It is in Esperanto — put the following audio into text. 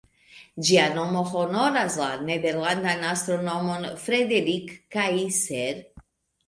Ĝia nomo honoras la nederlandan astronomon Frederik Kaiser.